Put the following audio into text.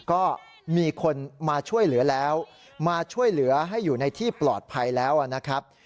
ก็มีคนมาช่วยเหลือแล้วมาช่วยเหลือให้อยู่ในที่ปลอดภัยแล้วนะครับ